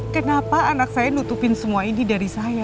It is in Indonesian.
kenapa anak saya nutupin semua ini dari saya